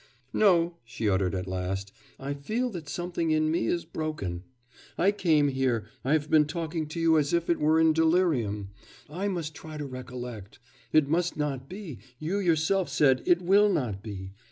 'No,' she uttered at last. 'I feel that something in me is broken. ... I came here, I have been talking to you as if it were in delirium; I must try to recollect. It must not be, you yourself said, it will not be.